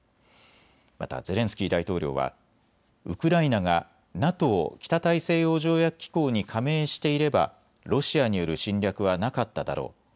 またゼレンスキー大統領はウクライナがＮＡＴＯ・北大西洋条約機構に加盟していればロシアによる侵略はなかっただろう。